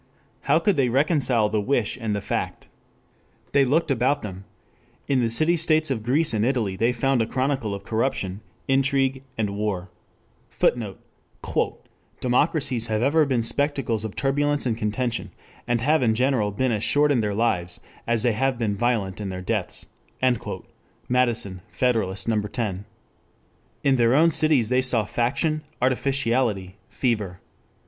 How could they reconcile the wish and the fact? They looked about them. In the city states of Greece and Italy they found a chronicle of corruption, intrigue and war. [Footnote: "Democracies have ever been spectacles of turbulence and contention... and have in general been as short in their lives as they have been violent in their deaths." Madison, Federalist, No. 10.] In their own cities they saw faction, artificiality, fever.